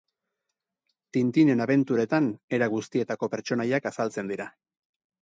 Tintinen abenturetan era guztietako pertsonaiak azaltzen dira.